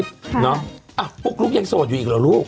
เนาะปุ๊กลุ๊กยังโสดอยู่อีกเหรอลูก